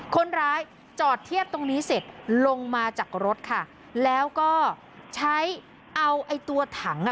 คนร้ายจอดเทียบตรงนี้เสร็จลงมาจากรถค่ะแล้วก็ใช้เอาไอ้ตัวถังอ่ะ